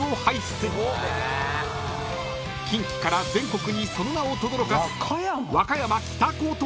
［近畿から全国にその名をとどろかす］